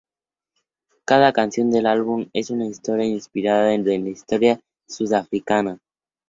Cada canción del álbum es una historia inspirada en la historia de Sudáfrica.